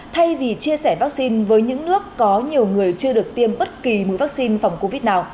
thay vì chia sẻ vaccine với những nước có nhiều người chưa được tiêm bất kỳ mũi vaccine